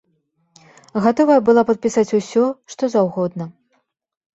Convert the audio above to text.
Гатовая была падпісаць усё што заўгодна!